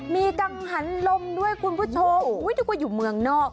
มีกังหันลมด้วยคุณผู้ชมนึกว่าอยู่เมืองนอก